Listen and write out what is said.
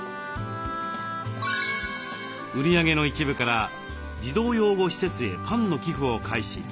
売り上げの一部から児童養護施設へパンの寄付を開始。